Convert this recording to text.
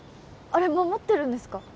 あれ守ってるんですか？